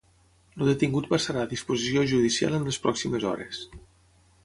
El detingut passarà a disposició judicial en les pròximes hores.